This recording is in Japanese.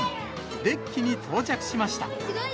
デッキに到着しました。